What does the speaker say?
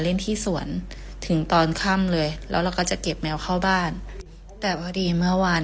เหลืมเนี่ยร่าง